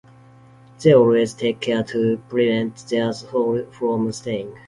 They always take care to prevent their soul from straying.